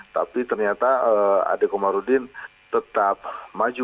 tapi ternyata ade komarudin tetap maju